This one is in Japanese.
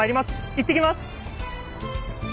いってきます！